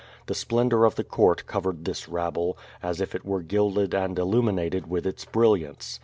The splendor of the court covered this rabble, as if it were gilded and illu minated with its brilliance.